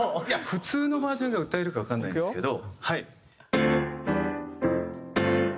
普通のバージョンで歌えるかわかんないんですけど。